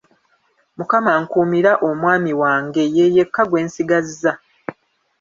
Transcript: Mukama nkuumira omwami wange ye yekka gwe nsigazza.